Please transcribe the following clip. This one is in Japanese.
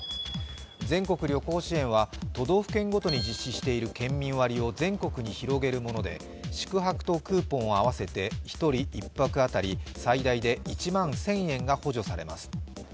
全国旅行支援は都道府県ごとに実施している県民割を全国に広げるもので宿泊とクーポンを合わせて１人１泊当たり最大で１万１０００円が補助されます。